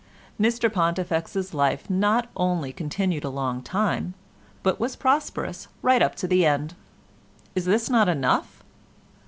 Mr Pontifex's life not only continued a long time, but was prosperous right up to the end. Is not this enough?